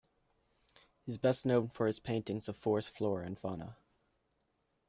He is best known for his paintings of forest flora and fauna.